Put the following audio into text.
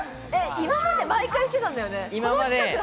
今まで毎回していたんだよね？